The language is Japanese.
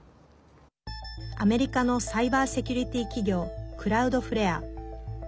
アメリカのサイバーセキュリティー企業クラウドフレア。